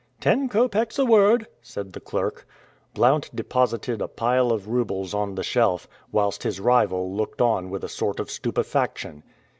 "Ten copecks a word," said the clerk. Blount deposited a pile of roubles on the shelf, whilst his rival looked on with a sort of stupefaction.